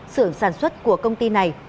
sửa sản xuất của công ty này